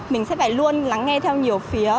mình sẽ phải luôn lắng nghe theo nhiều phía